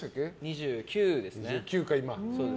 ２９ですね。